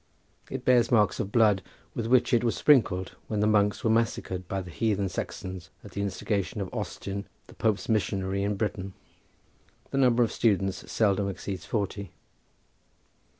It bears marks of blood with which it was sprinkled when the monks were massacred by the heathen Saxons, at the instigation of Austin the Pope's missionary in Britain. The number of students seldom exceeds forty.